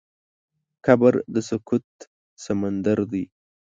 قبر د سکوت سمندر دی.